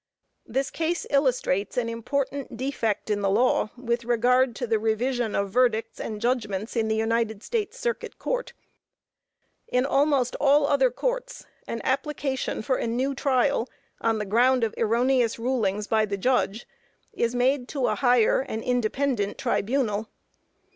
This case illustrates an important defect in the law with regard to the revision of verdicts and judgments in the United States Circuit Court. In almost all other courts, an application for a new trial on the ground of erroneous rulings by the judge, is made to a higher and independent tribunal.